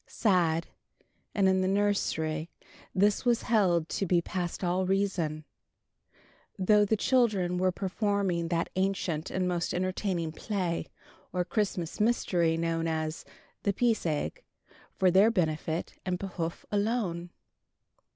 Sad and in the nursery this was held to be past all reason though the children were performing that ancient and most entertaining play or Christmas mystery, known as "The Peace Egg," for their benefit and behoof alone.